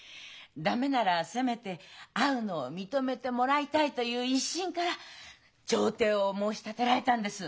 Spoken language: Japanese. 駄目ならせめて会うのを認めてもらいたい」という一心から調停を申し立てられたんです。